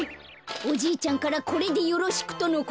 おじいちゃんから「これでよろしく」とのことです。